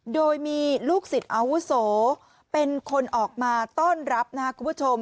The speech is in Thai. โดยมีลูกศิษย์อาวุโสเป็นคนออกมาต้อนรับนะครับคุณผู้ชม